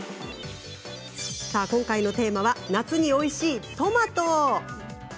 今回のテーマは夏においしいトマト。